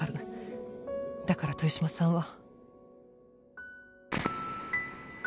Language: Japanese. だから豊島さんは。